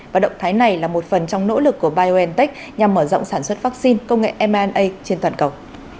và động thái này là một phần trong nỗ lực của biontech nhằm mở rộng sản xuất vaccine công nghệ m a trên toàn cầu